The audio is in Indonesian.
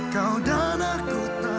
kau dan aku tak bisa berdua